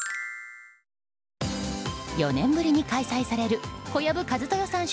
４年ぶりに開催される小籔千豊さん